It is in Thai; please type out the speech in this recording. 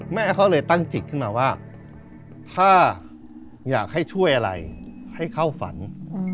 แม่เขาเลยตั้งจิตขึ้นมาว่าถ้าอยากให้ช่วยอะไรให้เข้าฝัน